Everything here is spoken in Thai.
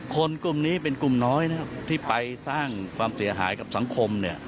กลุ่มนี้เป็นกลุ่มน้อยนะครับที่ไปสร้างความเสียหายกับสังคมเนี่ย